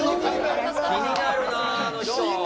気になるなあの人。